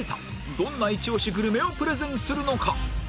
どんなイチオシグルメをプレゼンするのか？